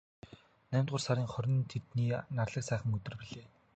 Наймдугаар сарын хорин хэдний нарлаг сайхан өдөр билээ.